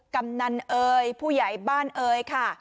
กำนันเอ๋ยผู้ใหญ่บ้านเอ๋ยค่ะ